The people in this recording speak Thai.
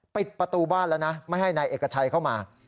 ปิดประตูบ้านแล้วนะไม่ให้นายเอกชัยเข้ามา